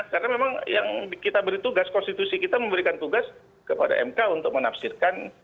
karena memang yang kita beri tugas konstitusi kita memberikan tugas kepada mk untuk menafsirkan